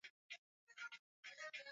lakini mwanzo watachukua kuthibiti